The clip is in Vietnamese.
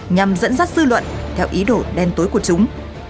nhằm dẫn dắt dư luận theo ý đồ đen tối của chúng